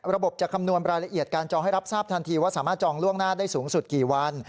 จะคำนวณรายละเอียดการจองให้รับทราบทันทีว่าสามารถจองล่วงหน้าได้สูงสุดกี่วัน